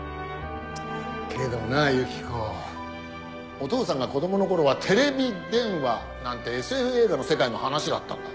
けどなユキコお父さんが子供の頃はテレビ電話なんてＳＦ映画の世界の話だったんだ。